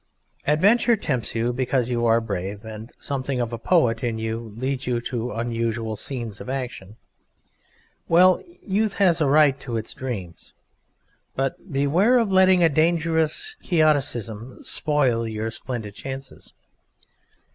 Adventure tempts you because you are brave, and something of a poet in you leads you to unusual scenes of action. Well, Youth has a right to its dreams, but beware of letting a dangerous Quixotism spoil your splendid chances.